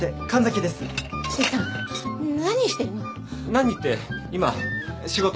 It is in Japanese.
何って今仕事。